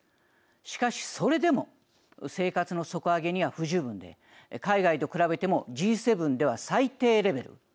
しかし、それでも生活の底上げには不十分で海外と比べてもＧ７では最低レベル。